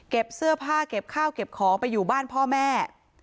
เสื้อผ้าเก็บข้าวเก็บของไปอยู่บ้านพ่อแม่